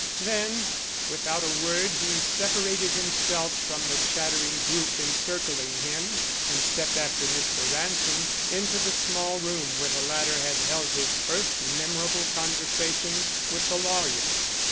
Then without a word he separated himself from the chattering group encircling him and stepped after Mr. Ransom into the small room where the latter had held his first memorable conversation with the lawyer.